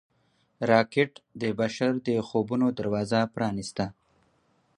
راکټ د بشر د خوبونو دروازه پرانیسته